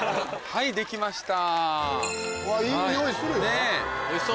はいできました。